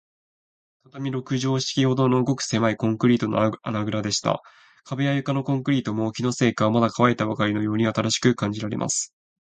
畳六畳敷きほどの、ごくせまいコンクリートの穴ぐらでした。壁や床のコンクリートも、気のせいか、まだかわいたばかりのように新しく感じられます。